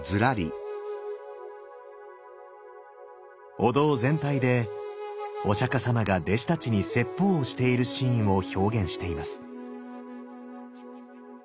お堂全体でお釈様が弟子たちに説法をしているシーンを表現しています。